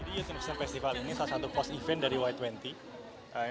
jadi youth innovation festival ini salah satu post event dari y dua puluh